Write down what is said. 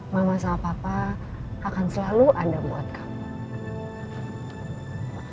mama sama papa akan selalu ada buat kamu